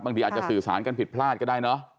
บางทีอาจจะสื่อสารกันผิดพลาดก็ได้เนอะ